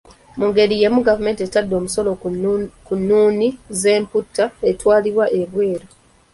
Mu ngeri y’emu gavumenti etadde omusolo ku nnuuni z’empuuta etwalibwa ebweru.